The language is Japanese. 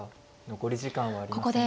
残り時間はありません。